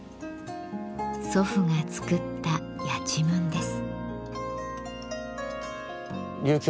祖父が作ったやちむんです。